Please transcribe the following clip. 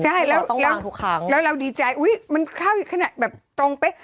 ใช่แล้วเราดีใจอุ๊ยมันเข้าขนาดแบบตรงเป๊ะ